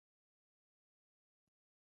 هغه وايي نانيه زه ځمه.